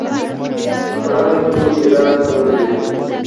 کړنگ سو گيلاس ولوېد.